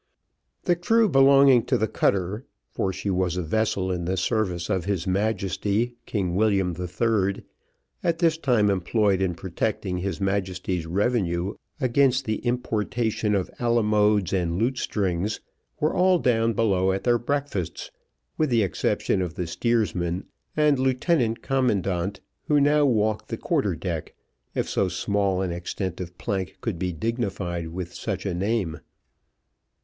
The crew belonging to the cutter, for she was a vessel in the service of his Majesty, King William the Third, at this time employed in protecting his Majesty's revenue against the importation of alamodes and lutestrings, were all down below at their breakfasts, with the exception of the steersman and lieutenant commandant, who now walked the quarter deck, if so small an extent of plank could be dignified with such a name.